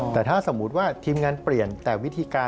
แต่ถ้าสมมุติว่าทีมงานเปลี่ยนแต่วิธีการ